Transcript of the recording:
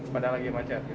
padahal lagi macet